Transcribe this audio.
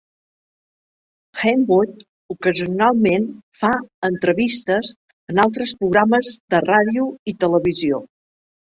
Henwood ocasionalment fa entrevistes en altres programes de ràdio i televisió.